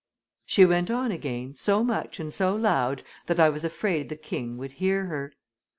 She went on again, so much and so loud, that I was afraid the king would hear her.